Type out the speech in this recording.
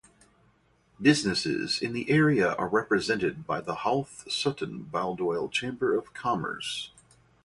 Businesses in the area are represented by the Howth Sutton Baldoyle Chamber of Commerce.